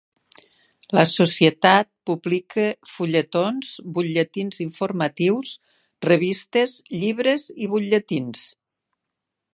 La Societat publica fulletons, butlletins informatius, revistes, llibres i butlletins.